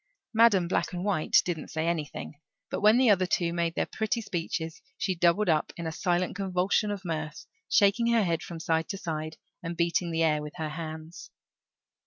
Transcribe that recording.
Madam Black and White didn't say anything; but when the other two made their pretty speeches she doubled up in a silent convulsion of mirth, shaking her head from side to side and beating the air with her hands.